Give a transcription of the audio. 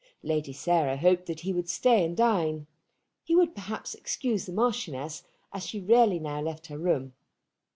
Lady Sarah hoped that he would stay and dine. He would perhaps excuse the Marchioness, as she rarely now left her room.